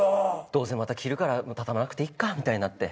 どうせまた着るから畳まなくていっかみたいになって。